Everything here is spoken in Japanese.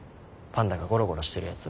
パンダがゴロゴロしてるやつ。